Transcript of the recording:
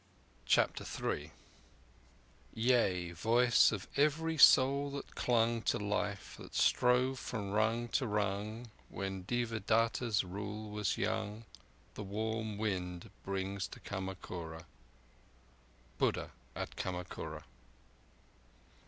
CHAPTER III Yea, voice of every Soul that clung To life that strove from rung to rung When Devadatta's rule was young, The warm wind brings Kamakura.